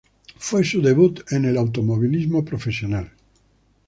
Fue su debut en el automovilismo profesional.